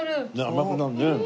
甘くなるね。